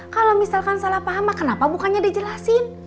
kalau misalkan salah paham kenapa bukannya dijelasin